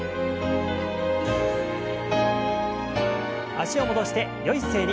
脚を戻してよい姿勢に。